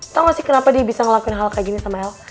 tau gak sih kenapa dia bisa ngelakuin hal kayak gini sama el